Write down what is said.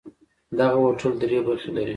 دغه هوټل درې برخې لري.